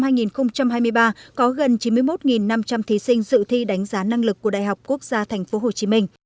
năm nay có chín mươi một năm trăm linh thí sinh dự thi đánh giá năng lực của đại học quốc gia tp hcm